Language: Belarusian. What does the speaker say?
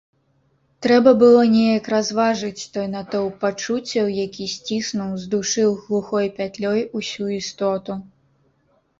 Трэба было неяк разважыць той натоўп пачуццяў, які сціснуў, здушыў глухой пятлёй усю істоту.